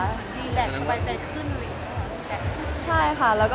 ดีแหละสบายใจขึ้นหรือยังคะ